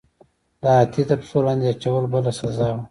د هاتي تر پښو لاندې اچول بله سزا وه.